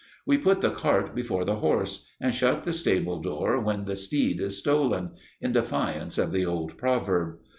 We put the cart before the horse, and shut the stable door when the steed is stolen, in defiance of the old proverb.